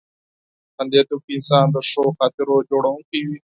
• خندېدونکی انسان د ښو خاطرو جوړونکی وي.